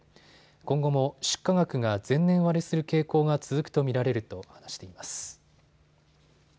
今後も出荷額が前年割れする傾向が続くと見られると話しています。